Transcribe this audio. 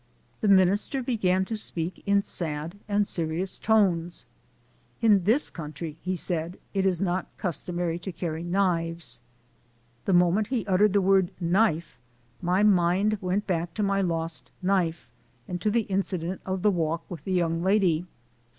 The minister began to speak in sad and serious 164 THE SOUL OF AN IMMIGRANT tones. "In this country," he said, "it is not cus tomary to carry knives." The moment he uttered the word "knife" my mind went back to my lost knife and to the incident of the walk with the young lady.